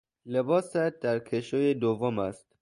لباست در کشوی دوم است